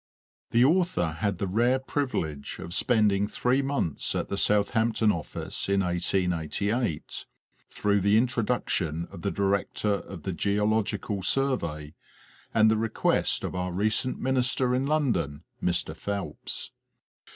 The author had the rare privilege of spending three months at the Southampton office in 1888, through the introduction of the director of the Geological Survey, and the request of our recent minister in London, Mr. Phelps.